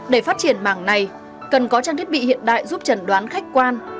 để phát triển mảng này cần có trang thiết bị hiện đại giúp trần đoán khách quan